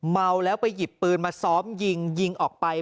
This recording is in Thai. เมาแล้วไปหยิบปืนมาซ้อมยิงยิงออกไป